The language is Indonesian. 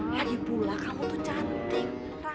lagipula kamu tuh cantik